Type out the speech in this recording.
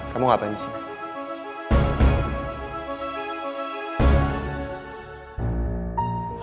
kamu ngapain sih